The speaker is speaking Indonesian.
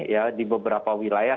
ya di beberapa wilayah